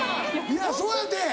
いやそうやて。